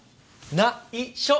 ないしょ！